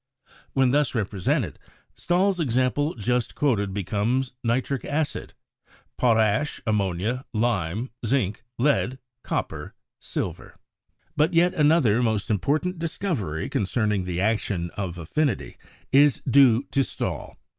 When thus 138 CHEMISTRY represented, Stahl's example just quoted becomes: Nitric Acid : potash, ammonia, lime, zinc, lead, copper, silver. But yet another most important discovery concerning the action of affinity is due to Stahl.